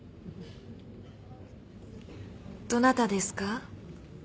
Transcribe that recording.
どなたですか？